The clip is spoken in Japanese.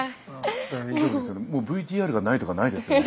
もうＶＴＲがないとかないですよね。